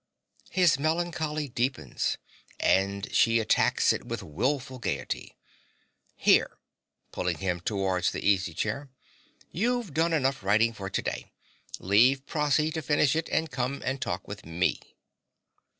(His melancholy deepens; and she attacks it with wilful gaiety.) Here (pulling him towards the easy chair) you've done enough writing for to day. Leave Prossy to finish it and come and talk to me.